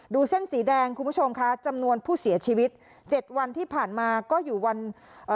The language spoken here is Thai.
เส้นสีแดงคุณผู้ชมคะจำนวนผู้เสียชีวิตเจ็ดวันที่ผ่านมาก็อยู่วันเอ่อ